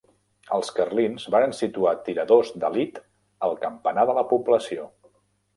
Els carlins varen situar tiradors d'elit al campanar de la població.